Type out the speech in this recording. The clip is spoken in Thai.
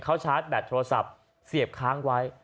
เขาชาร์จแบตโทรศัพท์เสียบค้างไว้